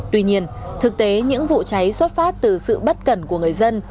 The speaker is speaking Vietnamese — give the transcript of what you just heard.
tuy nhiên thực tế những vụ cháy xuất phát từ sự bất cẩn của người dân